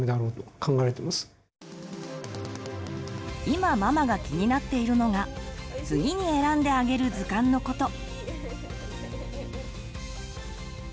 今ママが気になっているのが次に選んであげる図鑑のこと。